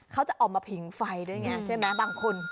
เขาจะออกมาผิงไฟด้วยไงใช่ไหมบางคน